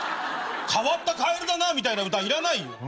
変わったカエルだなみたいな歌いらないよ。